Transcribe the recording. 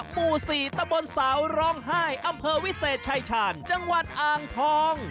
หมู่๔ตะบนสาวร้องไห้อำเภอวิเศษชายชาญจังหวัดอ่างทอง